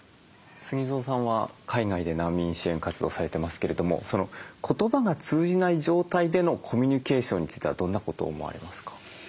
ＳＵＧＩＺＯさんは海外で難民支援活動されてますけれども言葉が通じない状態でのコミュニケーションについてはどんなこと思われますか？